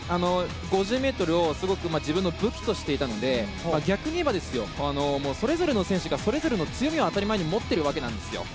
僕はラストの５０ｍをすごく自分の武器としていたので逆に言えばそれぞれの選手がそれぞれの強みを当たり前に持ってるわけですよ。